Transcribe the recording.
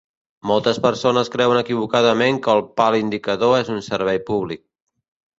Moltes persones creuen equivocadament que el pal indicador és un servei públic.